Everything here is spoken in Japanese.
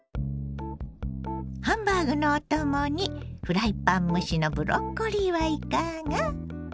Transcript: ハンバーグのお供にフライパン蒸しのブロッコリーはいかが？